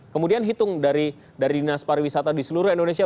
kemudian hitung dari dinas pariwisata di seluruh indonesia